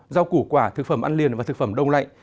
rau củ quả thực phẩm ăn liền và thực phẩm đông lạnh